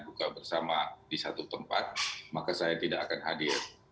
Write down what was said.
buka bersama di satu tempat maka saya tidak akan hadir